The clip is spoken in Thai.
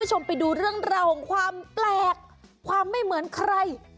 กุ้ชมไปดูเรื่องราวความแปลกของไม่เหมือนใคร